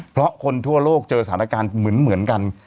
เพราะคนทั่วโลกเจอสถานการณ์เหมือนกัน